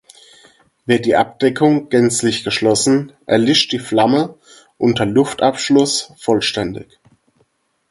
Wird die Abdeckung gänzlich geschlossen, erlischt die Flamme unter Luftabschluss vollständig.